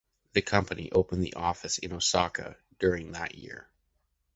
The company opened an office in Osaka during that year.